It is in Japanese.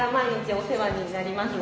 お世話になります。